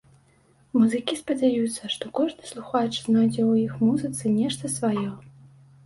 Музыкі спадзяюцца, што кожны слухач знойдзе ў іх музыцы нешта сваё.